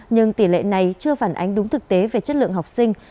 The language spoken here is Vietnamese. nhưng tỷ lệ này chưa phản ánh đúng thực tế về chất lượng học sinh